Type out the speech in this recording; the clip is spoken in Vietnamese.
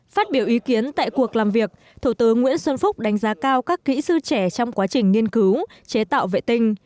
phát biểu ý kiến tại cuộc làm việc thủ tướng nguyễn xuân phúc đánh giá cao các kỹ sư trẻ trong quá trình nghiên cứu chế tạo vệ tinh